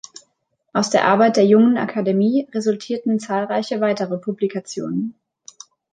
Aus der Arbeit der Jungen Akademie resultierten zahlreiche weitere Publikationen.